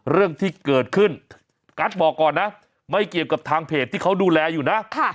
เรื่องที่เกิดขึ้นกัสบอกก่อนนะไม่เกี่ยวกับทางเพจที่เขาดูแลอยู่นะ